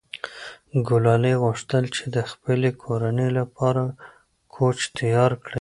ګلالۍ غوښتل چې د خپلې کورنۍ لپاره کوچ تیار کړي.